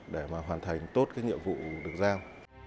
để mà hoàn thành tốt cái nhiệm vụ được giao